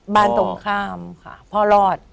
ตรงข้ามค่ะพ่อรอด